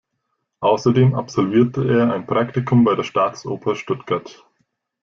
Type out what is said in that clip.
Außerdem absolvierte er ein Praktikum bei der Staatsoper Stuttgart.